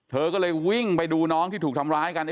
เธอก็เลยวิ่งไปดูน้องที่ถูกทำร้ายกัน